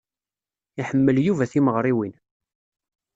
Iḥemmel Yuba timeɣṛiwin.